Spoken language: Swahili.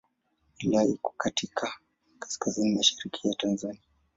Wilaya hii iko katika kaskazini mashariki ya Tanzania.